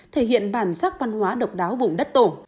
thể hiện bản sắc văn hóa độc đáo vùng đất tổ